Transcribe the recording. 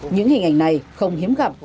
những hình ảnh này không hiếm gặp